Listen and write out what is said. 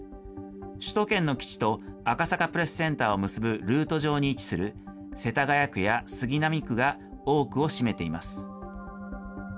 首都圏の基地と赤坂プレスセンターを結ぶルート上に位置する世田谷区や杉並区が多くを占めています。